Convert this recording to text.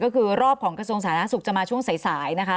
ก็คือรอบของกระทรวงศาลนักศึกษ์จะมาช่วงสายนะคะ